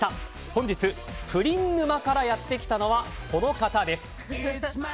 本日プリン沼からやってきたのはこの方です。